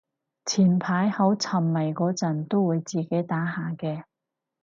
前排好沉迷嗰陣都會自己打下嘅